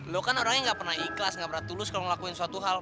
lo kan orangnya gak pernah ikhlas gak pernah tulus kalau ngelakuin suatu hal